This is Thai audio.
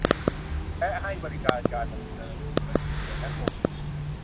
และให้บริการการดำเนินธุรกิจแก่นักลงทุน